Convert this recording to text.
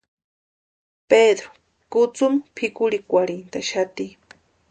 Pedru kutsumu pʼikurhikwarintʼaxati.